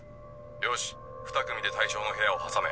よしふた組で対象の部屋を挟め。